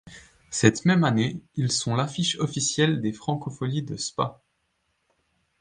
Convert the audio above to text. Cette même année, ils sont l'affiche officielle des Francofolies de Spa.